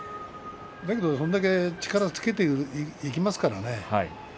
だけど、それだけ力をつけていきますからね。